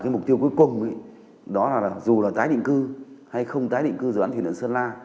mục tiêu cuối cùng dù là tái định cư hay không tái định cư dự án thủy điện sơn la